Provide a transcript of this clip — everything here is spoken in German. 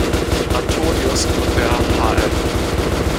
Antonius und der hl.